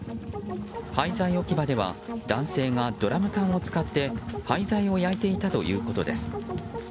廃材置き場では男性がドラム缶を使って廃材を焼いていたということです。